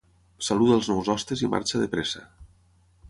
Saluda els nous hostes i marxa de pressa.